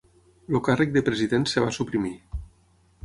El càrrec de president es va suprimir.